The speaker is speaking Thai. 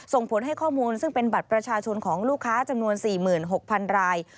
ส่งผลให้ข้อมูลซึ่งเป็นบัตรประชาชนของลูกค้าจำนวน๔๖๐๐๐ราย